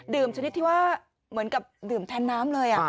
ชนิดที่ว่าเหมือนกับดื่มแทนน้ำเลย